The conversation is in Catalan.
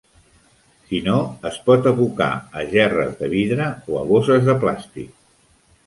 Si no, es pot abocar a gerres de vidre o a bosses de plàstic.